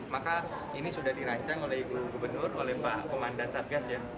maka ini sudah dirancang oleh ibu gubernur oleh pak komandan satgas ya